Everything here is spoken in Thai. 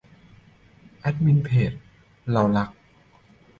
แอดมินเพจ เรารัก